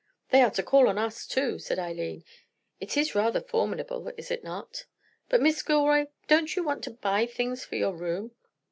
"They are to call on us, too," said Eileen. "It is rather formidable, is it not?" "But, Miss Gilroy, don't you want to buy things for your room?"